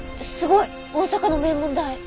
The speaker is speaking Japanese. すごい！大阪の名門大。